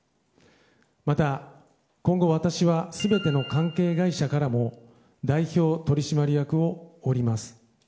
また、今後私は全ての関係会社からも代表取締役社長を降ります。